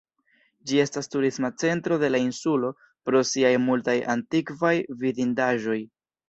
Ĝi estas turisma centro de la insulo pro siaj multaj antikvaj vidindaĵoj.